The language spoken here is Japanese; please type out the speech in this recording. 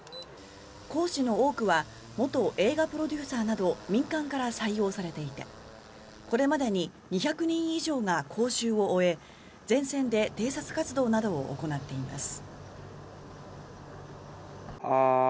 講師の多くは元映画プロデューサーなど民間から採用されていてこれまでに２００人以上が講習を終え前線で偵察活動などを行っています。